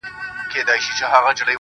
خورې ورې پرتې وي.